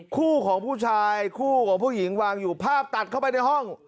คู่ของผู้ชายคู่ของผู้หญิงวางอยู่ภาพตัดเข้าไปในห้อง